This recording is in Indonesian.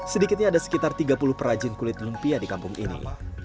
sedikitnya ada sekitar tiga puluh perajin kulit lumpia di kampung ini